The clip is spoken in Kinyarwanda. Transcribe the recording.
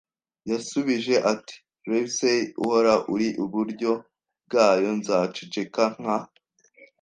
Yasubije ati: "Livesey, uhora uri iburyo bwayo. Nzaceceka nka